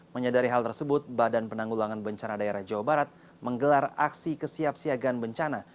menyadari hal tersebut badan penanggulangan bencana daerah jawa barat menggelar aksi kesiapsiagaan bencana